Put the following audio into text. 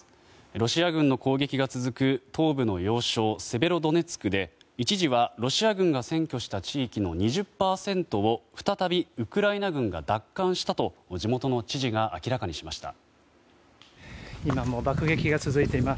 ロシア軍の攻撃が続く東部の要衝セベロドネツクで一時はロシア軍が占拠した地域の２０％を再びウクライナ軍が奪還したと地元の知事が明らかにしました。